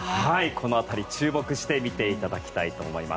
この辺り注目して見ていただきたいと思います。